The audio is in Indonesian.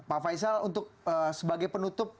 pak faisal untuk sebagai penutup